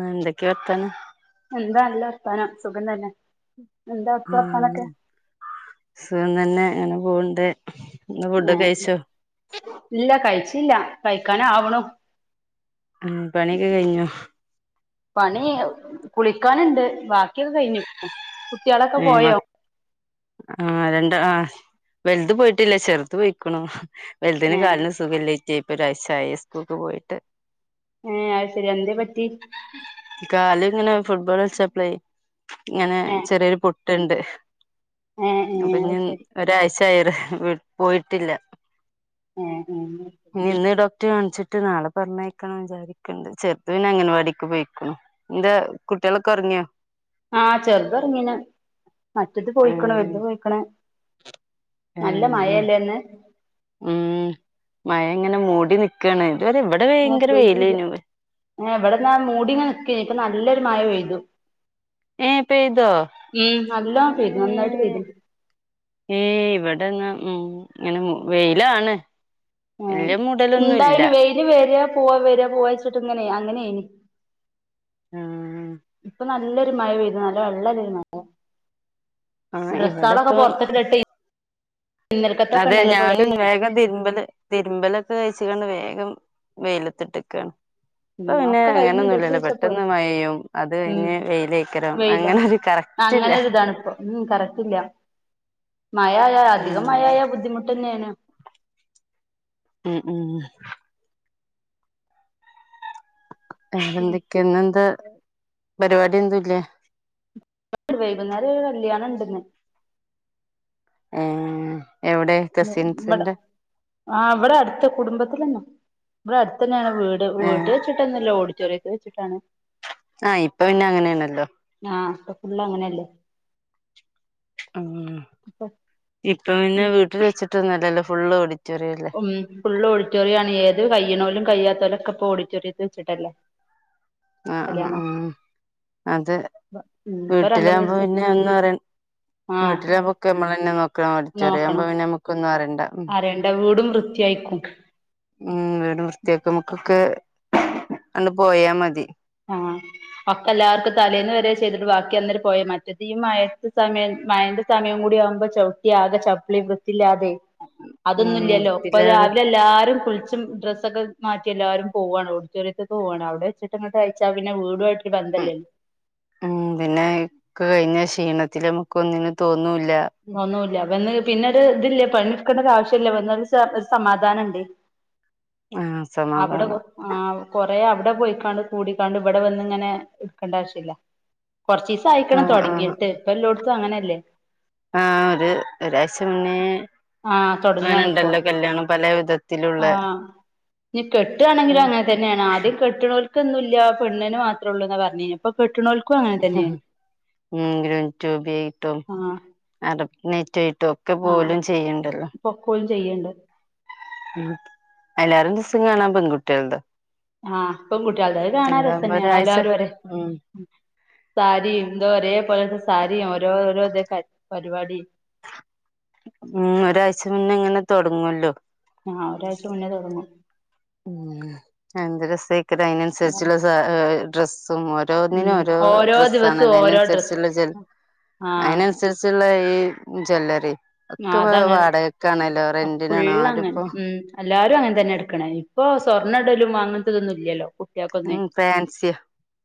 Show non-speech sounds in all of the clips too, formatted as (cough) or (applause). ആ എന്തൊക്കെയാ വർത്താനം. എന്താ നല്ല വർത്താനം സുഖം തന്നെ. എന്താ അവിടുത്തെ ഉം വർത്താനൊക്കെ സുഖം തന്നേ പോവണ്ടേ ആ ഇല്ല കഴി ഇല്ല കഴിക്കാൻ ആവണു ഉം പണിയൊക്കെ കഴിഞ്ഞു. പണി കുളിക്കാനുണ്ട് ബാക്കിയുള്ളത് കഴിഞ്ഞു. കുട്ടികളൊക്കെ മ പോയോ ആ രണ്ട് ആ വലുത് പോയിട്ടില്ല ചെറുത് പോയിക്കണു. വലുതിന് ഏഹ് കാലിന് സുഖമില്ല (unintelligible) പോയിട്ട് ഹ അത് ശരി എന്തേ പറ്റി. കാല് ഇങ്ങനെ ഫുട്ബോൾ കളിച്ചപ്പോളെ- ഇങ്ങനെ ഏഹ് പുട്ടുണ്ട് ഏഹ് അപ്പൊ ഏഹ് അത് ഞാൻ ശരി ഒരാഴ്ച ടയർ പോയിട്ടില്ല ഉം ഉം. ഇനി ഇന്ന് ഡോക്ടറെ കാണിച്ചിട്ട് നാളെ പറഞ്ഞയക്കണം വിചാരിക്കണ്ട് ചെറുത് പിന്നെ അംഗൻവാടിക്ക് പോയിക്കണു എന്താ കുട്ടികളൊക്കെ ഉറങ്ങിയോ ആ ചെറു ത് ഇറങ്ങീനെ മറ്റത് പോയിക്കണ ഉം വലുത് പോയിക്കണ് നല്ല മഴയല്ലേ ഇന്ന് മ് മ് മഴ ഇങ്ങനെ മൂടി നിക്കാണ് ഇതുവരെ ഇവിടെ ഭയങ്കര പെയ്തില്ലേ വെയിലേനു ഇവിടെ ദ ഇങ്ങനെ മൂടി നിക്ക ഇപ്പൊ നല്ലൊരു മഴ പെയ്തു ഏ പെയ്തോ ഉം നല്ലോണം പെയ്തു നന്നായിട്ട് പെയ്തു അതേ ഇവിടെ ഇന്ന് മ് ഇങ്ങനെ വെയിലാണ് മ് വല്യ മൂടലൊന്നുല്ല എന്തായിത് വെയിൽ വരാ പോവാ വരാ പോവവാച്ചിട്ട് ഇങ്ങനെയ അങ്ങനെയന് ഉം ഇപ്പൊ നല്ല നല്ലൊരു മഴ പെയ്തു നല്ല വെള്ളമുള്ളൊരു മഴ ആ ഡ്രസ്സുകളൊക്കെ ഇവിടെപ്പോ പുറത്തിട്ടിട്ട് അതെ ഞാനും വേഗം അലക്കലൊക്കെ അലക്കലൊക്കെ കഴി അത് കൊണ്ട് വേഗം വെയിലത്തിട്ടിരിക്കുകയാണ് ഉം അപ്പൊ പിന്നെ ഒക്കെ കഴിഞ്ഞ് ഇടട്ട് അങ്ങനെയൊന്നുമല്ലല്ലോ വെച്ചപ്പോ പെട്ടന്ന് മഴയും അത് ഉം കഴിഞ്ഞ് വെയിലായിരിക്കും വെയിലോ അങ്ങനെ ഒരു കറക്റ്റ്ല്ല അങ്ങനെ ഒരിതാണിപ്പൊ മഴയായ അധികം മഴയായ ബുദ്ധിമുട്ട് തന്നെയാണ് മ് മ് മ് അ എന്തൊക്കെയാണ് പരിപാടി ന്തും ഇല്ലേ ആഹ് വൈകുന്നേരം കല്യാണം ഉണ്ട് ഇന്ന് ആഹ് എവിടെ കസിൻസിന്റെ ആ അവിടെ അടുത്ത കുടുംബതിലെന്നെ ഇവിടെ അടുത്ത തന്നെയാണ് വീട് വീട്ടിൽ ഏഹ് വെച്ചിട്ടൊന്നുമല്ല ഓഡിറ്റോറിയ അതേ വെച്ചിട്ടാണ് ആഹ് ഇപ്പൊ പിന്നെ അങ്ങനെയണല്ലോ ആ ഇപ്പൊ ഫുള്ള് അങ്ങനെയല്ലേ ആഹ് ഇപ്പൊ ഇപ്പൊ പിന്നെ വീട്ടിൽ വച്ചിട്ടൊന്നുമല്ലല്ലോ ഫുള്ള് ഓഡി മ് ഫുള്ള് ഓഡിറ്റോറിയം ആണ് ഏത് ക കഴിയുന്നവരും കഴിയാത്തവരും ഒക്കെ ഇപ്പൊ ഓഡിറ്റോറിയത്തിൽ വെച്ചിട്ടല്ലേ ആ ആ ആ കല്യാണം അത് ഉം ഇപ്പൊ രണ്ട് മൂന്ന് വീട്ടിലാകുമ്പോ ദിവസം പിന്നെ ഒന്നും അറിയണ്ട ആഹ് വീട്ടിലാകുമ്പോക്കെ നമ്മൾ തന്നെ നോക്ക ഓഡിറ്റോറിയം നോക്കണം ആവുമ്പോ പിന്നെ നമ്മൾക്കൊന്നും അറിയണ്ട അറിയണ്ട വീടും വൃത്തിയായിക്കും ഉം, വീട് വൃത്തിയാക്ക്മ്മെക്കൊക്കേ ഉം അന്ന് പോയാ മതി. ഉം ഒക്കല്ലാർക്കും തലേന്ന് വരെ ചെയ്തിട്ട് വാക്കി അന്നേരം പോയ മറ്റത് ഈ മഴേത്ത് സമയം മഴന്റെ സമയം കൂടി ആവുമ്പോ ചവിട്ടി ആകെ ചപ്പ്ളി വൃത്തില്ലാ തെയ് ഉം അതൊന്നുംല്ല്യല്ലോ ഇപ്പൊ വൃത്തിയില്ലാതെ രാവിലെ എല്ലാരും കുള്ച്ചും ഡ്രസ്സൊക്കെ മാറ്റി എല്ലാരും പോവാണ് ഓഡിറ്റോറിയത്ത്ക്ക് പോവാണ് അവിടെ വെച്ച്ട്ട്ങ്ങ കയ്ച്ചാ പിന്നെ വീടു അട് ഉം ഉം പിന്നെ (unintelligible) ശ് ഈണത്തില് അമുക്ക് ഒന്നിനും തോന്നൂല് ഒന്നൂല്ല്യ. വന്ന് പിന്നെ ഒരു ഇതില്ല്യ. പണി ഇട്ക്കണ്ട ഒരു ആവശ്യം ഇല്ല വന്ന (unintelligible) ഒരു സമാധാനം ഇണ്ട്. ആഹ് അവിടെ കൊ സമാധാനം ആ കൊർ റേ അവിടെ പോയിക്കാണ്ട് കൂടിക്കാണ്ട് ഇവിടെ വന്ന്ങ്ങനെ ഇട്ക്കണ്ട ആവശ്യല്ല കൊറച്ചീസം ആയി ക്ക്ണ് ആഹ് ആഹ് തൊടങ്ങീട്ട് ഇപ്പല്ലോട് ത്തും അങ്ങനെല്ലേ. ആ ഒര് ഒരാഴ്ച മുന്നേ ആഹ് തൊടങ്ങാണ് ഇപ്പൊ അങ്ങനെണ്ടല്ലോ കല്യാണം പല വിധത്തിലുള്ള ആഹ് ഇഞ്ഞ് ഉം കെട്ടാണെങ്കിലും അങ്ങനെ തന്നേണ്. ആദ്യം കെട്ട്ണോൽ ക്കൊന്നുല്ല്യ. പെണ്ണിന് മാത്രൊള്ളൂന്നാ പറഞ്ഞീന് ഇപ്പ കെട്ട്ണോൽ ഉം ഗ്രൈ റ്റുബി യായിട്ടും ആ അട (unintelligible) ട്ടെക്കെ ആ പോലും ചെയ്യ്ണ്ടല്ലോ പൊക്കോളും ചെയ്യ്ണ്ട് ഉം അയ്‌ലേറെ രസം കാണാൻ പെൺകുട്ട്യൾ താ ആ പൺകുട്ട്യൾത് കാണാൻ രസന്നെണ് ഒരാഴ്ച എല്ലാരും ഒരെ ഉം സാരിം തൊരേ പോലെ ഡ്ര സാരിം ഓരോ ഓരോ തേ ക പരിവാടിം ഉം ഒരാഴ്ച മുന്നേ ഇങ്ങനെ തുടങ്ങുവല്ലോ ആഹ് ഒരാഴ്ച മുന്നേ തുടങ്ങും ഉം എന്ത് രസായി (unintelligible) ഉം അതിനനുസരിച്ചുള്ള സാ (unintelligible) ഡ്രസ്സ് (unintelligible) ഓരോന്നിനും ഓരോ ഡ്രസ്സ് ദിവസവും ആണല്ലോ ഓരോ ഡ്രസ്സ് അതിനനുസരിച്ചുള്ള ജൽ ആഹ് അതിനനുസരിച്ചുള്ള ഈ ജ്വല്ലറി ഒക്കെ ഇപ് അതങ്ങനെ വാടകൊക്കെ ആണല്ലോ റെന്റിനാണോ ഫുള്ള് അങ്ങനെ ആരിപ്പോ ഉം എല്ലാരും അങ്ങനെ തന്നെ എടുക്കണേ ഇപ്പൊ സ്വർണ്ണ ഇടലും അങ്ങനത്തതൊന്നും ഇല്ലല്ലോ കു ഉം ഫാൻസിയാ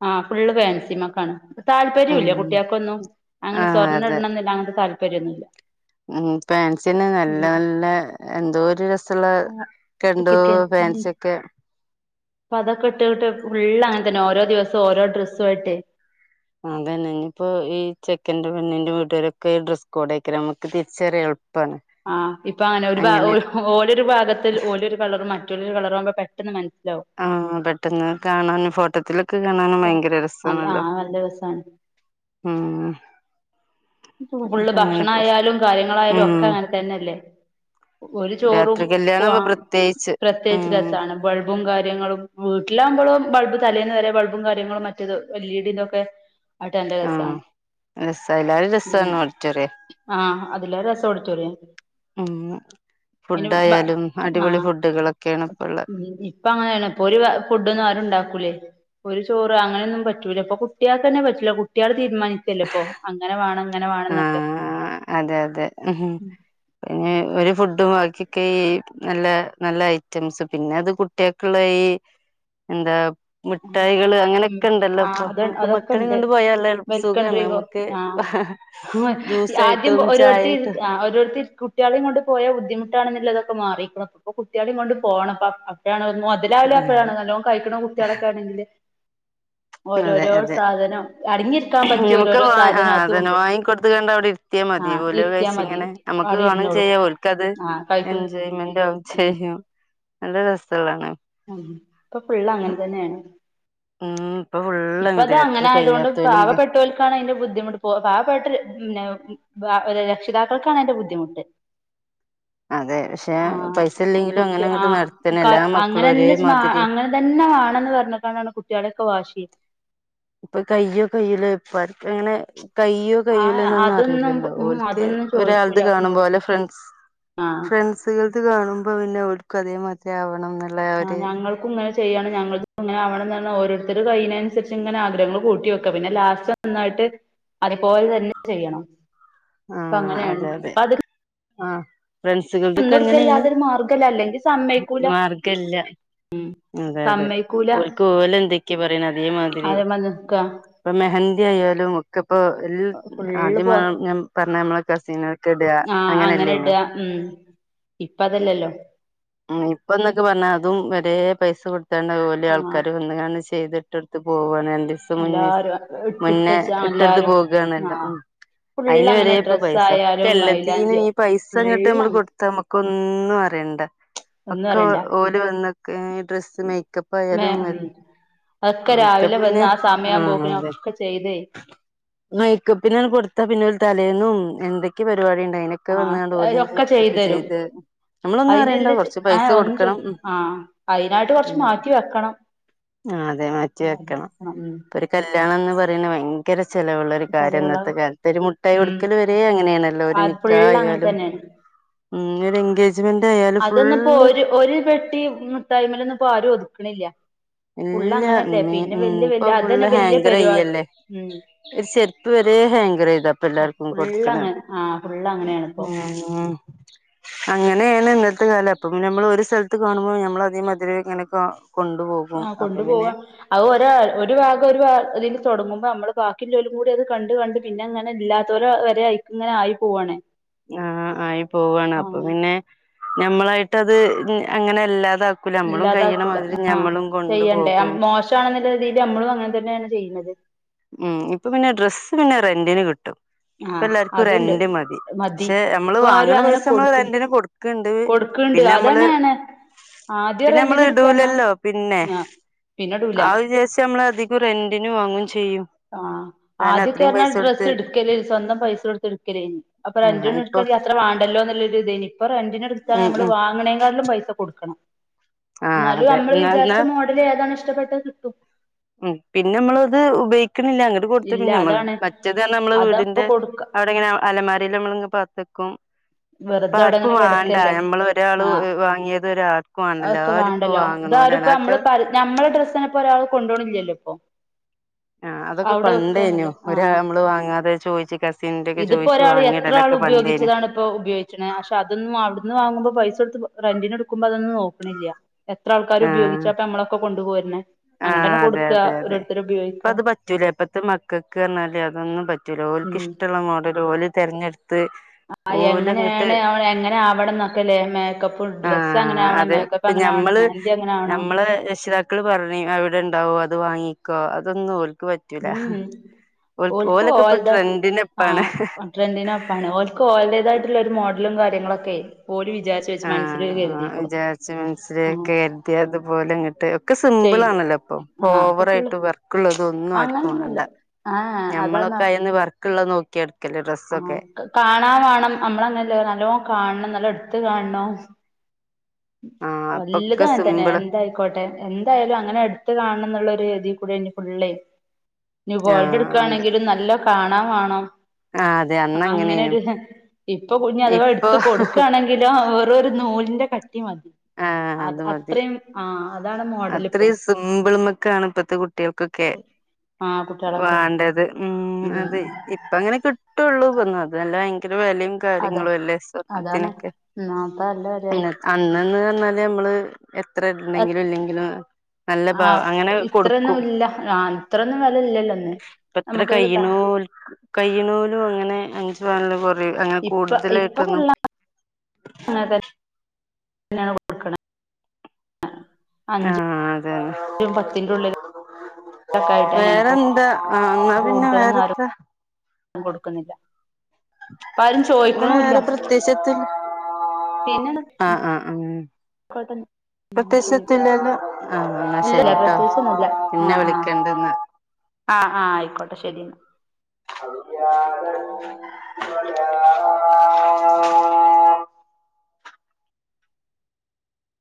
ആ ഫുള്ള് ഫാൻസിമാക്കാണ് താല്പര്യോല്ല ഉം കുട്ടിയാക്കന്നും അങ്ങനെ ആഹ് സ്വർണ്ണം അതെ ഇടണനുള്ള അങ്ങനത്തെ താല്പര്യം വരുന്നില്ല ഉം ഫാൻസിയെന്നെ നല്ല നല്ല എന്തോര് (unintelligible) സള്ള ഒക്കെണ്ടോ ഫാൻസി ഒക്കെ പ്പൊ അതൊക്കെ ഇട്ട്ട്ട് ഫുള്ള് അങ്ങനെതന്നെ ഓരോ ദിവസം ഓരോ ഡ്രസ്സു ആയിട്ടെ - അതന്നെ ഇനിയിപ്പോ ഈ ചെക്കൻന്റെറെ പെണ്ണിന്റെ വീട്ടുകാരൊക്കെ ഡ്രസ്സ് കോട് ഒക്കെ നമ്മുക്ക് തിരിച്ചറിയാം ആഹ് ഇപ്പൊ അങ്ങനെ ഒരു ഭാ ഓലൊരു ഭാഗത്ത ഓലരു കളറും മറ്റ ലൊരു കളറാവുമ്പോ പെട്ടെന്ന് മന ആഹഹ് പെട്ടെന്ന് കാണാൻ ഫോട്ടത്തിലൊക്കെ- കാണാനും അപ്പൊ ഭയങ്കര നല്ല രസാണല്ലോ ആഹ് നല്ല രസാണ് ഉം ഫുള്ള് അപ്പൊ അങ്ങനെ ഭക്ഷണയാലും കാര്യങ്ങളായാലും ഉം ഒക്കെ അങ്ങനെ തന്നെയല്ലേ ഒരു ചോറും രാത്രി കല്യാണാവുമ്പോ പ്രത്യേകിച്ച് പ്രത്യേകിച്ച് ഉം രസമാണ് ബൾബും കാര്യങ്ങളും വീട്ടിലാകുമ്പോഴും ബൾബ് തലേന്ന് വരെ ബൾബും കാര്യങ്ങളും മറ്റേത എൽ ഇഡിതൊക്കെ ആട്ട് എന്റെ രസാണ് അതി ഉം രസവാണ് ഓഡിറ്റോറിയം ആഹ് അതിലേറെ രസം ഓഡിറ്റോറിയ ഉം അയിന് ബ ഫുഡായാലും ആ അടിപൊളി ഫുഡുകളൊക്കെയാണ് ഇപ്പള്ള ഇപ്പ അങ്ങനെല്ല ഇപ്പൊ ഒരു ഫുഡൊന്നും ആരുണ്ടാക്കൂലേ ഒരു ചോറ് അങ്ങനെയൊന്നും പറ്റൂല ഇപ്പൊ കുട്യാകന്നെ പറ്റൂല്ല കുട്ടിയാൾ തീരുമാനിച്ചല്ലോ ഇപ്പൊ ആ വേണം. അങ്ങനെ വേണംന്നൊക്കെ ആ അതെ അതെ പിന്നെ ഒരു ഫുഡും ബാക്കിയൊക്കെ ഈ നല്ല നല്ല ഐറ്റംസ് പിന്നെ അത് കുട്ടിയാക്കുള്ള ഈ എന്താ ഉം മിഠായികള് അങ്ങനെയൊക്കെയുണ്ടല്ലോ ആ ഇപ്പം അത് നമുക്ക് അതൊക്കെ മക്കളേം ഉണ്ട് കൊണ്ട് പോയാല് വെൽക്കം സുഖാണ് ഡ്രിങ്കോ നമുക്ക് ജ്യൂസായിട്ട് ഓരോട്ടി ആ ഒരൊ കുട്ടികളേം കൊണ്ടുപോയ ബുദ്ധിമുട്ടാണെന്നുള്ളതൊക്ക മാറിയേക്കണു പ്പ കുട്ടികളേം കൊണ്ടുപോണം പ്പം അവിടെയാണ് അവ മുതലാവില്ല എപ്പോഴാണ് നല്ലോ കഴിക്കണ കു ചളക്കാണെങ്കില് അതെ അതെ സാധനം അടങ്ങിയിരിക്കാൻ പറ്റിയ ഞമുക്ക് ഓരോരോ വാ ആ സാധനം അതും അതന്നെ ഉണ്ട് വാങ്ങിക്കൊടുത്തുകണ്ട് അവിടെ ഇരുത്തിയാ മതി ആഹ് പോലോ ഇരുത്തിയാ മതി കഴിച്ചിങ്ങനെ നമ്മുക്ക് അവിടെ ഇരുന്നോളും കാണുചെയ്യാം ഓൽക്കത് ആഹ് കഴിക്കും എൻജോയ്മെന്റാകും ഉം ചെയ്യും നല്ല രസുള്ളാണോ (unintelligible) ഇപ്പൊ ഫുള്ള് അങ്ങനെതന്നെയാണ് ഉം ഇപ്പൊ ഫുള്ള് ഇപ്പ അത് അങ്ങൻതന്നെ അങ്ങനെ എത്ര ആയതുകൊണ്ട് കഴിയാത്തോലും പാവപ്പെട്ടോൽക്കാണ് അയ്ന്റെ ബുദ്ധിമുട്ട് പൊ പാവപ്പെട്ട പിന്നെ രക്ഷിതാക്കൾക്കാണ് അതിന്റെ ബുദ്ധിമുട്ട് അതെ പക്ഷെ ആ പൈസ ഇല്ലെങ്കിലും അങ്ങനെ കുട്ടി ആ അങ്ങോട്ട് നടത്തന്നെ എല്ലാ മക്കളും അങ്ങനെ ഒരേ തന്നെ മാതിരി അങ്ങനെ തന്നെ വാണംന്ന് പറഞ്ഞ്കാണ്ടാണ് കുട്ടികളെൊക്കെ വാശി ഇപ്പൊ കയ്യോ കയ്യൂലെ അപ്പ അവർക്ക് അങ്ങനെ കയ്യോ കയ്യൂലെ ആഹ് എന്നൊന്നും അതൊന്നും അറിയില്ലല്ലോ ഉം ഓല്ക്ക് അതൊന്നും ഒരാള്ത് ചോദിക്കൂല കാണും പോലെ നോക്കൂല ഫ്രണ്ട്സ് ആഹ് ഫ്രണ്ട്സുകൾത് കാണും അപ പിന്നെ ഓൽകും അതേ മാതിരി ആവണംന്ന് ആ ഞങ്ങൾക്കുംങ്ങനെ ചെയ്യണം ഞങ്ങളും ഇങ്ങനെ ആവണംന്ന് ഓരോരുത്തരും കയ്യിനനുസരിച്ച് ഇങ്ങനെ ആഗ്രഹങ്ങൾ കൂട്ടി വെക്കാം പിന്നെ ലാസ്റ്റ് ഒന്നായിട്ട് അതുപോലെ തന്നെ ചെയ്യണം അപ്പ ആഹ് അങ്ങനേണ് അതെ അതെ അപ്പൊ അത് ആഹ് ഫ്രണ്ട്സുകൾതൊക്കെ അങ്ങനെണ് നിന്നൊടുക്കല്ലാതെ ഒരു മാർഗല്ല അല്ലെങ്കിൽ സമ്മയ്ക്കൂല മാർഗ്ഗല്ല അതെ അതെ സമ്മയ്ക്കൂല ഓല്ക്ക് ഓല ന്തൊക്കെ പറ് യ് ണ് അതേമാതിരി അതേമാ നിക്ക ഇപ്പൊ മെഹന്തി ആയാലും ഒക്കെപ്പോ ഫുള്ള് പോ ആദ്യമാണ് ഞാൻ ആഹ് അങ്ങനെ ഇട ഉം ഇപ്പ അതല്ലല്ലോ ഉം ഇപ്പ ഇന്നൊക്കെ പറഞ്ഞാ അതും വരേ പൈസ കൊട് അതാണ് ഓല് ആഹ് ആൾക്കാര് വന്ന് കാണ്ട് ചെയ്തി ഇട്ട്ട്ത്ത് പോവാന് എ ദിവസം എല്ലാരും മുന്നേ ഇട്ടിട്ടച്ച ഇട്ടെടുത്ത് എല്ലാരും പോകുകയാണല്ലോ ആഹ് ഉം ഫുള്ള് അതിന് അങ്ങനെ വരെ ഇപ്പ ഡ്രസ്സ് പൈസ ഒക്കെ ആയാലും എല്ലാത്തീനും മൈലാഞ്ചി ഈ പൈസ ഇങ്ങോട്ട് ഫുള്ള് നമ്മള് അങ്ങനെ കൊടുത്ത മ്മക്ക് ഒന്നും അറിയണ്ട ഒന്നും ഒക്കെ പറയണ്ട ഓല് വന്നൊക്കെ ഡ്രസ്സ് മേ മേക്കപ്പായാലും ഉം അതൊക്കെ മേക്കപ്പ് രാവിലെ പിന്നെ വന്ന് ആ സമയാവുമ്പോക്കിന് അതെ ഒക്കെ ചെയ്തേ മേക്കപ്പിന് കൊടുത്ത പിന്നെ തലേന്നും എന്തൊക്കെ പ പരിപാടി ഇണ്ടായിനി ഒക്കെ ആഹ് വന്നാണ്ട് ഓലെന്നെ അതൊക്കെ മേക്കപ്പ് ചെയ്തരും ചെയ്ത് നമ്മളൊന്നും അറിയണ്ട അയിനില്ല ആ പൈസ ഒന്ന് കൊടുക്കണം ചെയ് ഉം ആ അയിനായിട്ട് കൊർച്ച് ഉം മാറ്റി വെക്കണം ആഹ് അതെ മാറ്റി വെക്കണം ഉം ഇപ്പൊ ഒരു കല്യാണം എന്ന് പറയുന്നത് ഭയങ്കര ചെലവുള്ള ഒരു കാര്യം ചതവിള ഇന്നത്തെ കാലത്ത് ഒരു മുട്ടായി ഉം കൊടുക്കല് വരെ അങ്ങനെയാണല്ലോ ഒരു അത് നിക്കാഹ്‌ ഫുള്ള് അങ്ങനെ ആയാലും തന്നെയാണ് ഉം ഒരു എൻഗേജ്മെന്റ് (unintelligible) അത് ഇന്ന്പ്പോ ഒരു ഒരു പെട്ടി മുട്ടായ്മൽ ഒന്നും ഇപ്പോ ആരും ഒതു ക്ക്‌ണില്ല ഇല്ല ഇപ്പൊ വല്യ ഫുള്ള് അതന്നെ വല്യ പരിപാടി ഹാങ്കർയ്യല്ലേ ഉം ചെരുപ്പ് വരെ ഹാങ്കർ ചെയ്താപ്പ എല്ലാർക്കും ഫുള്ള് കൊടുക്കണ അങ്ങനെ ആഹ് ഫുള്ള് അങ്ങനെയാണ് ഇപ്പോ ഉം അങ്ങനെ ഇന്നത്തെ കാലം അപ്പ നമ്മൾ ഒരു സ്ഥലത്ത് കാണുമ്പോൾ നമ്മള അതെ മാതിരി ഇങ്ങനെ കൊണ്ടും ആ കൊണ്ടു പോവാ അത് ഒ ഹൊ ഒരു ഭാഗം ഒരു ഇതിൽ തുടങ്ങുമ്പോ അമ്മള് ബാക്കി ല്ലോലും കൂടി അത് കണ്ട് കണ്ട് പിന്നെ ങ്ങനെ ഇല്ലാത്തോര് വരെ അയ്ക്ക്ങ്ങനെ ആയി പോവാണ് ആഹ് ആയി പോവാണ് ആ അപ്പൊ പിന്നെ ഞമ്മളായിട്ട് അത് ഇങ്ങ അങ്ങനെ അല്ലാതെ ഇല്ലാതാക്കൂല ആ ചെയ്യണ്ടേ കൊണ്ടുപോകും മോശമാണെന്നുള്ള രീതിയിൽ നമ്മളും അങ്ങനെ തന്നെയാണ് ചെയ്യുന്നത് ഉ (unintelligible) ഉം ഇപ്പൊ പിന്നെ ഡ്രസ്സ് പിന്നെ റെന്റിന് കിട്ടും ആ ഇപ്പ എല്ലാർക്കും അതുണ്ട് റെന്റ് മതി പക്ഷെ നമ്മള് ഇപ്പൊ ആരും വാങ്ങണ അങ്ങനെ പൈസ നമ്മള് കൊടുക്ക് റെന്റിന് കൊടുക്കണ്ട് കൊടുക്കണ്ട് പിന്നെ നമ്മള് അതന്നെയാണ് ആദ്യം പിന്നെ നമ്മള് റെന്റിന് എടുക്കാ പറഞ്ഞാ ഇടൂല്ലല്ലോ പിന്നെ ആ പിന്നെടൂല ആത് വിചാരിച്ച് നമ്മൾ അധികം റെന്റിന് വാങ്ങും ചെ ആഹ് ആദ്യക്കെന്ന് പറഞ്ഞാൽ കൊടുത്ത് ഡ്രസ്സ് എടുക്കലേന് സ്വന്തം പൈസ കൊടുത്ത് എടുക്കലേനി അപ്പൊ ആ രൻ്റിന് ഇപ്പൊ എടുക്കലേനി അത്ര വേണ്ടല്ലോന്നുള്ള ഇതേനി ഇപ്പൊ റെൻ്റ് റെൻ്റിന് എടുത്താ ഉം ഞമ്മള് ഉം വാങ്ങണേക്കാടിലും പൈസ കൊടുക്കണം ആ എന്നാലും അതെ നമ്മള് എന്നാ എന്നാ വിചാരിച്ച മോഡൽ ഏതാണ് ഇഷ് ഇഷ്ട്ടപ്പെട്ടത് കിട്ടും ഉം പിന്നെ നമ്മളത് ഉപയോഗിക്ക ക്കിണില്ല അങ്ങട്ട് കൊടുത്ത് ഇല്ല പിന്നെ നമ്മൾ അതാണ് മറ്റേത് പറഞ്ഞാ നമ്മള് അതാവുമ്പോ വീടിന്റെ കൊടുക്ക അവിടെങ്ങനെ അലമാരയിൽ നമ്മളിങ്ങനെ പാത്ത് ത്തക്കും വെറുതെ അവിടെ ഇങ്ങനെ കിടക്കല്ലേ നമ്മള് ഒരാള് ആഹ് വാങ്ങിയത് ഒരാൾക്കും വേണ്ട ആക്കെ എല്ലാരും ഇപ്പ വേണ്ടല്ലോ വാങ്ങണോരാണ് ഇതാരുപ്പോ അതൊക്കെ നമ്മള് പര നമ്മളെ ഡ്രസ്സെന്നെപ്പോ ഒരാളും കൊണ്ടോണില്ലല്ലോ ഇപ്പം ആ അതൊക്കെ പണ്ടേനു ഒരാ നമ്മള് വാങ്ങാതെ ചോയിച്ചു കസിന്റെ ഒക്കെ ചോയിച്ചു വാങ്ങിയിടലൊക്കെ പണ്ടേനു പ്പോ ഉപയോഗിച്ചണ പക്ഷെ അതൊന്നും അവിടുന്ന് വാങ്ങുമ്പോ പൈസ എടുത്ത് പ റന്റിന് എടുക്കുമ്പോ അതൊന്നും നോക്കണില്ല എത്ര ആൾക്കാര് ആഹ് ഉപയോഗിച്ചാപ്പ നമ്മളൊക്കെ കൊണ്ടുപോരുന്നേ ആഹ് അങ്ങട്ടന്നെ അതെ കൊടുക്കുക അതെ അതെ ഓരോരുത്തര് ഇപ്പ ഉപയോഗിക്ക അത് പറ്റൂല ഇപ്പത്തെ മക്കൾക്ക് പറഞ്ഞാല് അതൊന്നും പറ്റൂല ഉം ഓല്ക്ക് ഇഷ്ടമുള്ള മോടൽ ഓല് തിരഞ്ഞെടുത്ത് ആ എങ്ങനെയാണ് എങ്ങനെ ആവടന്നൊക്കെല്ലേ മേക്കം ആഹ് അതെ ഇപ്പ ഞമ്മള് മെഹന്തി അങ്ങനെ ആവണം ഞമ്മളെ രക്ഷിതാക്കള് പറഞ്ഞ് അവിടെ ഉണ്ടാവോ അ അത് വാങ്ങിക്ക അതൊന്നു ഓൽക്ക് പറ്റൂല ഉം ഓൽക്ക് ഓക്ക് ഓ ഓലൊക്കെ ഇപ്പ ആ ട്രെൻഡിനെപ്പാണ് ട്രെൻറിിനൊപ്പാണ് ഓൽക്ക് ഓലേതായിട്ടുള്ള ഒരു മോഡലും കാര്യങ്ങളുംക്കെ ആഹ് വിചാരിച്ച മനസില് ആ കരുതി അതുപോലെ ഇങ്ങിട്ട് ഒക്കെ സിമ്പിൾ ചെയ്ത് ആണല്ലോ ഇപ്പം ആഹ് അപ്പൊ ഓവറാ ഫുള്ള് യിട്ട് വർക്കള്ളതൊന്നും ആർക്കും അങ്ങനൊന്നുല്ല വേണ്ട ആഹ് അതാന്ന് ഞമ്മളൊക്കെ ആയന്ന് വർക്കള്ള നോക്കി എടുക്കല്ലേ ആഹ് ഡ്രെസ്സൊക്കെ കാണാൻ വേണം അത്ത് കാണണോ ആഹ് അപ്പൊക്കെ എല്ലതും ആ തന്നെ സിമ്പിള് എന്തായിക്കോട്ടെ എന്തായാലും അങ്ങനെ എടുത്ത് കാണണം എന്നുള്ളരു രതി കൂടി ഇനി ഫുള്ളേ ഗോൾഡ് ആഹ് അതെ എടുക്കയാണെങ്കിൽ നല്ല കാണാം മാണോ ആഹ് അതെ അന്ന് അങ്ങനെനു അങ്ങനെരു ഇപ്പൊ ഞ്ഞ് അഥവാ ഇപ്പൊ എടുത്ത് കൊടുക്കുകയാണെങ്കിലോ ഒരു നൂലിന്റെ കട്ട് മതി ആഹ് അത് മതി അത്രയും ആ അത്രയും സിമ്പിൾമെക്കാണ് ഇപ്പത്തെ കുട്ടികൾക്കൊക്കെ ആഹ് കുട്ടികളൊക്കെ വേണ്ടത് ഉം അത് ഉം ഇപ്പ അങ്ങനെ കിട്ടുള്ളൂ (unintelligible) അല്ല ഭയങ്കര വെലിം അതെ കാര്യങ്ങളും അല്ലേ അതാണ് സ്വർണത്തിനൊക്കെ ഉം അപ്പ നല്ല വെലയാണ് അന്ന് അന്ന് പറഞ്ഞാല് നമ്മള് എത്ര ഉണ്ടെങ്കിലും ഇല്ലെങ്കിലും നല്ല ആ പാവ അങ്ങനെ ഇത്രയൊന്നും കൊടുക്കും ഇല്ല ഇത്ര ന്നും വലു ഇപ്പ എത്ര കയ്യൂ ഞ്ഞോൽ കയ്യണൂലും അങ്ങനെ വാണല്ലോ അങ്ങെ കൂടുതലായിട്ടൊന്നും അതെ അെയാണ് വഴക്കണം ആ അഞ്ച് ആഹ് അതന്നെ പത്തിന്റെുള്ളിലൊക്ക ആായിട്ടാ ഞാനിപ്പം വേറെന്താ ആഹ് ങ്ങാ പിന്നെ വേറെത്ര പം കൊടുക്കുന്നില്ല ഇപ്പ ആരും ചോദിക്കണൂല്ല വേറെ പ്രത്യശത്തി പിന്നെ ആഹ് ആഹ് ആ ആയിക്കോട്ടെ ഉം ശരി പ്രത്യശത്തില്ലല്ലോ ആഹ് എന്നാൽ ഇല്ലല്ല ശരിട്ടോ പ്രത്യേകിച്ചൊന്നുല്ല പിന്നെ വിളിക്കണ്ടന്ന് ആഹ് ആയിക്കോട്ടെ ശരിന്നാ അയാ